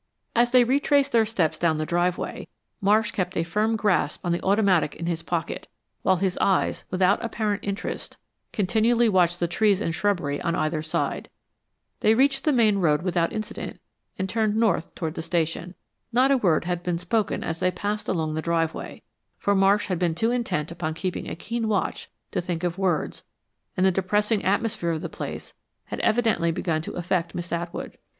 As they retraced their steps down the driveway, Marsh kept a firm grasp on the automatic in his pocket while his eyes, without apparent interest, continually watched the trees and shrubbery on either side. They reached the main road without incident and turned north toward the station. Not a word had been spoken as they passed along the driveway, for Marsh had been too intent upon keeping a keen watch to think of words, and the depressing atmosphere of the place had evidently begun to affect Miss Atwood.